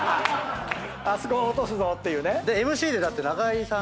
あそこ落とすぞっていうね。